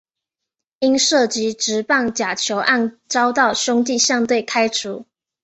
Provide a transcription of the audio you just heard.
因涉及职棒假球案遭到兄弟象队开除。